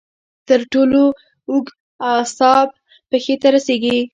تر ټولو اوږد اعصاب پښې ته رسېږي.